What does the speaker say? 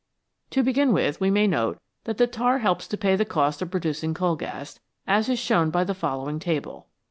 To begin with, we may note that the tar helps to pay the cost of producing coal gas, as is shown by the following table.